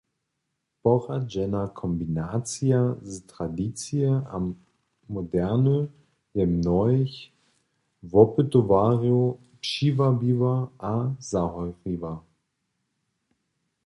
Poradźena kombinacija z tradicije a moderny je mnohich wopytowarjow přiwabiła a zahoriła.